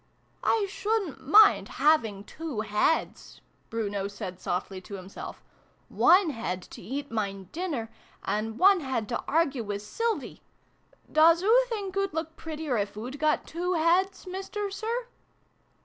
" I shouldn't mind having two heads" Bruno said softly to himself :" one head to eat mine dinner, and one head to argue wiz Sylvie doos oo think oo'd look prettier if oo'd got two heads, Mister Sir